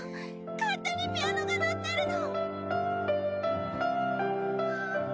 勝手にピアノが鳴ってるの！